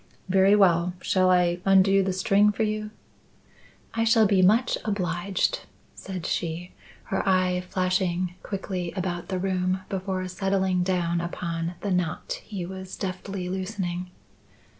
"Very well. Shall I undo the string for you?" "I shall be much obliged," said she, her eye flashing quickly about the room before settling down upon the knot he was deftly loosening.